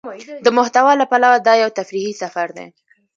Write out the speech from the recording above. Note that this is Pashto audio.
د محتوا له پلوه دا يو تفريحي سفر دى.